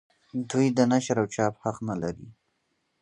دوی د نشر او چاپ حق نه لري.